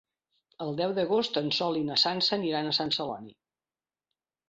El deu d'agost en Sol i na Sança aniran a Sant Celoni.